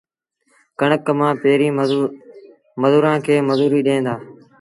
ڪڻڪ مآݩ پيريݩ مزورآݩ کي مزوريٚ ڏيݩ دآ